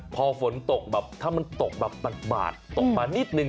พอฝนตกแบบถ้ามันตกแบบบาดตกมานิดนึง